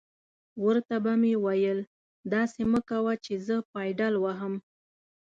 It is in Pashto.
ور ته به مې ویل: داسې مه کوه چې زه پایډل وهم.